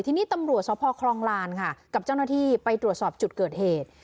ทีนี้ตำรวจสพคลองลานค่ะกับเจ้าหน้าที่ไปตรวจสอบจุดเกิดเหตุ